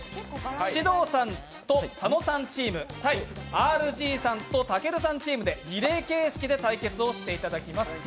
獅童さんと佐野さんチーム対ＲＧさんとたけるさんチームでリレー形式で対決をしていだきます